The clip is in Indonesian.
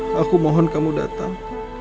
aku mohon kamu datang